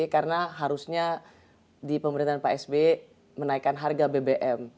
karena harusnya di pemerintahan pak sby menaikkan harga bbm